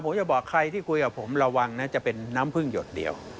ผมจะบอกใครที่คุยกับผมระวังนะจะเป็นน้ำพึ่งหยดเดียว